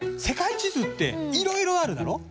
世界地図っていろいろあるだろ？